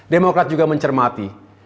demokrat juga mencermati